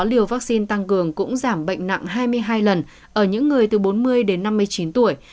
sáu liều vaccine tăng cường cũng giảm bệnh nặng hai mươi hai lần ở những người từ bốn mươi đến năm mươi chín tuổi